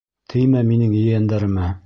Теймә минең ейәндәремә.